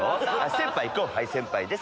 先輩後輩先輩です